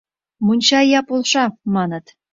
Монча ия полша, маныт.